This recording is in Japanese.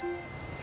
え？